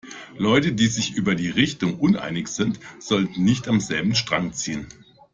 Leute, die sich über die Richtung uneinig sind, sollten nicht am selben Strang ziehen.